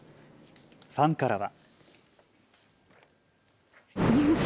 ファンからは。